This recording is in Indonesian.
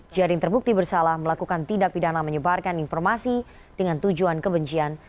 jaring terbukti bersalah melakukan tindak pidana menyebarkan informasi dengan tujuan kebencian